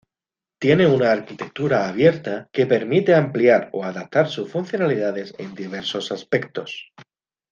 Tiene una arquitectura abierta que permite ampliar o adaptar sus funcionalidades en diversos aspectos.